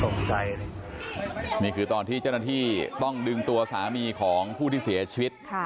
นี่คือตอนที่เจ้าหน้าที่ต้องดึงตัวสามีของผู้ที่เสียชีวิต